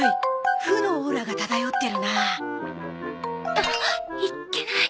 あっいっけない！